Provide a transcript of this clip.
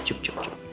cuk cuk cuk